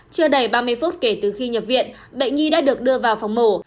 chưa đầy ba mươi phút kể từ khi nhập viện bệnh nhi đã được đưa vào phòng mổ